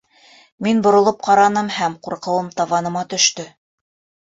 Мин боролоп ҡараным һәм ҡурҡыуым табаныма төштө.